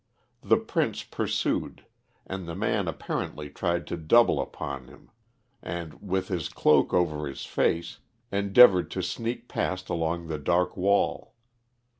The Prince pursued, and the man apparently tried to double upon him, and, with his cloak over his face, endeavoured to sneak past along the dark wall.